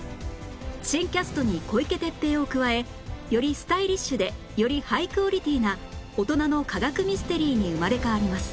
新キャストに小池徹平を加えよりスタイリッシュでよりハイクオリティーな大人の科学ミステリーに生まれ変わります